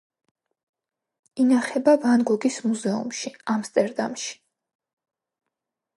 ინახება ვან გოგის მუზეუმში, ამსტერდამში.